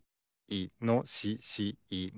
いのしし。